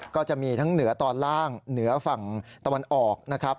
ก็จะมีทั้งเหนือตอนล่างเหนือฝั่งตะวันออกนะครับ